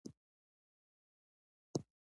د ولس ګډون د ثبات سبب ګرځي